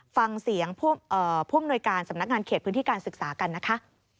ฟังเสียงผู้อำนวยการสำนักงานเขตพื้นที่การศึกษากันนะคะ